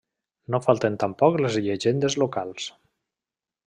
No falten tampoc les llegendes locals.